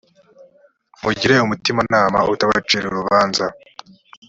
mugire umutimanama utabacira urubanza .